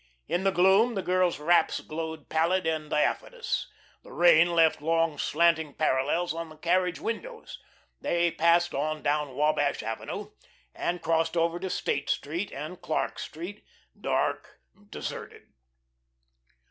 In the gloom the girls' wraps glowed pallid and diaphanous. The rain left long, slanting parallels on the carriage windows. They passed on down Wabash Avenue, and crossed over to State Street and Clarke Street, dark, deserted.